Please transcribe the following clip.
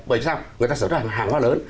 bởi vì sao người ta sản xuất hàng hóa lớn